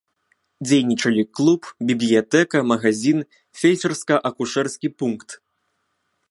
Дзейнічалі клуб, бібліятэка, магазін, фельчарска-акушэрскі пункт.